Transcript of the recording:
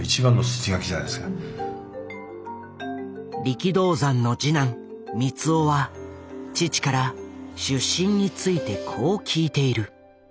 力道山の次男光雄は父から出身についてこう聞いている。